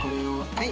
はい。